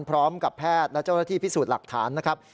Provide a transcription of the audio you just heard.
พร้อมกับแพทย์และเจ้าหน้าที่พิสูจน์หลักฐานนะครับ